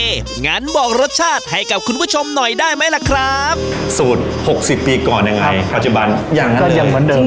งั้นบอกรสชาติให้กับคุณผู้ชมหน่อยได้ไหมล่ะครับสูตร๖๐ปีก่อนยังไงปัจจุบันยังก็ยังเหมือนเดิม